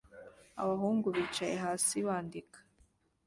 Abahungu bicaye hasi bandika